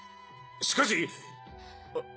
しかし。